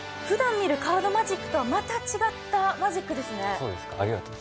ふだん見るカードマジックとはまた違ったマジックですね。